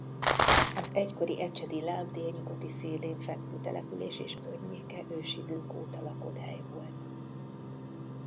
Az egykori Ecsedi-láp délnyugati szélén fekvő település és környéke ősidők óta lakott hely volt.